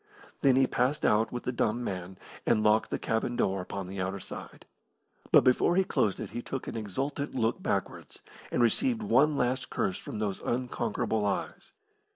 Then he passed out with the dumb man, and locked the cabin door upon the outer side. But before he closed it he took an exultant look backwards, and received one last curse from those unconquerable eyes.